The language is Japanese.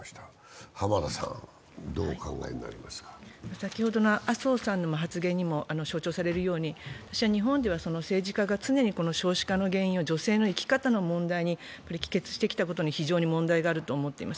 先ほどの麻生さんの発言にも象徴されるように日本では政治家が常に少子化の原因を女性の生き方の問題に帰結してきたことに非常に問題があると思っています。